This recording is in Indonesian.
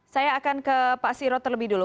saya akan ke pak siro terlebih dulu